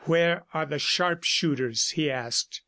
"Where are the sharpshooters?" he asked.